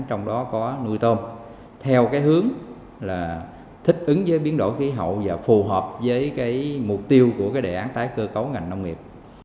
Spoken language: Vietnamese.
trong đó có nuôi tôm theo cái hướng là thích ứng với biến đổi khí hậu và phù hợp với cái mục tiêu của cái đề án tái cơ cấu ngành nông nghiệp